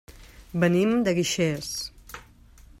Venim de Guixers.